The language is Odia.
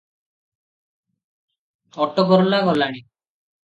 ଅଟଗରଲା ଗଲାଣି?